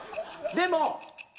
でも。